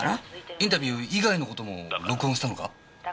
インタビュー以外のことも録音したのか？